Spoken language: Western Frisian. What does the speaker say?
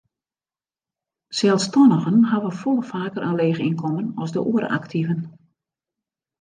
Selsstannigen hawwe folle faker in leech ynkommen as de oare aktiven.